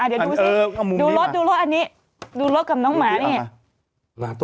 เดี๋ยวดูสิดูรถดูรถอันนี้ดูรถกับน้องหมานี่